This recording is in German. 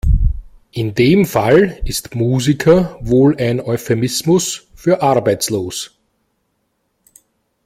In dem Fall ist Musiker wohl ein Euphemismus für arbeitslos.